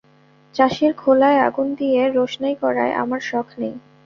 চাষির খোলায় আগুন দিয়ে রোশনাই করায় আমার শখ নেই।